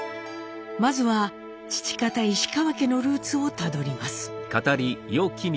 まずは父方石川家のルーツをたどります。